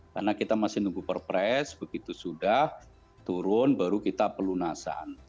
karena kita masih nunggu perpres begitu sudah turun baru kita pelunasan